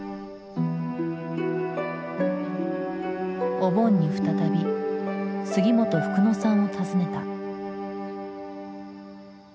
お盆に再び杉本フクノさんを訪ねた。